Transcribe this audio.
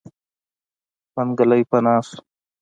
منګلی پناه شو.